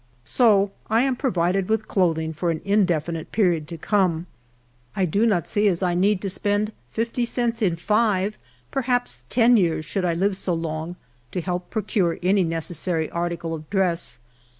So I am provided with clothing for an indefinite period to come. 1 do not see as I need to spend fifty cents in five, perhaps in ten years, should I live so long, to help procure any neces sary article of dress.